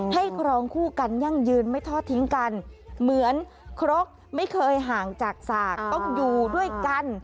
ครองคู่กันยั่งยืนไม่ทอดทิ้งกันเหมือนครกไม่เคยห่างจากสากต้องอยู่ด้วยกัน